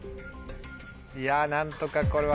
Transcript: いや何とかこれは。